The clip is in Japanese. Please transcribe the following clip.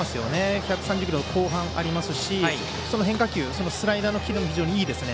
１３０キロの後半ありますしその変化球、スライダーのキレも非常にいいですね。